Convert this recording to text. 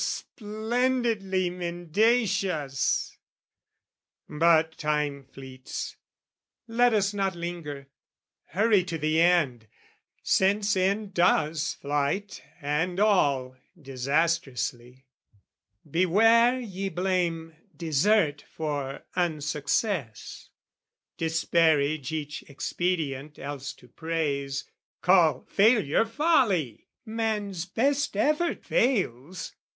O splendidly mendacious! But time fleets: Let us not linger: hurry to the end, Since end does flight and all disastrously. Beware ye blame desert for unsuccess, Disparage each expedient else to praise, Call failure folly! Man's best effort fails.